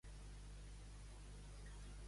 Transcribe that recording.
A l'any i mig d'edat ja feia tot això.